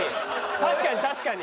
確かに確かに。